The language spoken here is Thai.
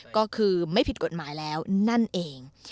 ก็คือไม่ผิดกฎหมายแล้วนั่นเอง